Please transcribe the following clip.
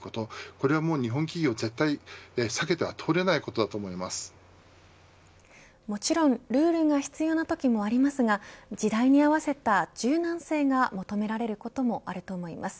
これは日本企業、絶対に避けてはもちろん、ルールが必要なときもありますが時代に合わせた柔軟性が求められることもあると思います。